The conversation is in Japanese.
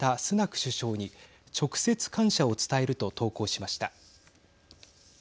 首相に直接感謝を伝えると投稿しました。